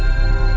ya udah deh